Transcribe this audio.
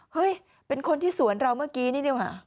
เฮ้ยเป็นคนที่สวนเราเมื่อกี้นี่ดีกว่า